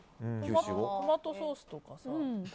トマトソースとかさ。